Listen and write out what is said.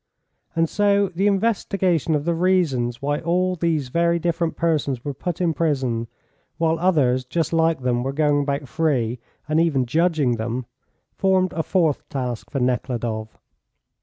And so the investigation of the reasons why all these very different persons were put in prison, while others just like them were going about free and even judging them, formed a fourth task for Nekhludoff.